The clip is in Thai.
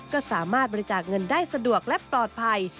ก็สามารถบริจาคเงินได้สะดวกและปลอดภัย